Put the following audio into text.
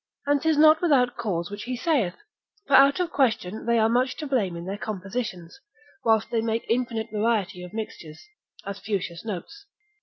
And 'tis not without cause which he saith; for out of question they are much to blame in their compositions, whilst they make infinite variety of mixtures, as Fuchsius notes.